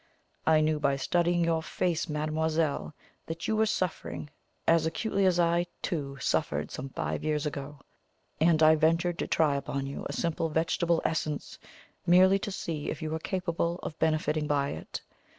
I knew, by studying your face, mademoiselle, that you were suffering as acutely as I, too, suffered some five years ago, and I ventured to try upon you a simple vegetable essence, merely to see if you were capable of benefiting by it.